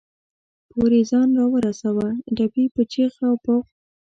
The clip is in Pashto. پورې ځان را ورساوه، ډبې په چغ او بغ.